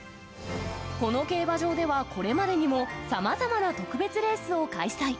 この競馬場ではこれまでにも、さまざまな特別レースを開催。